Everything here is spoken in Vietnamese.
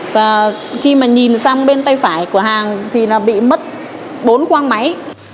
và khi mà nhìn sang bên tay phải của hàng thì là bị mất bốn khoang máy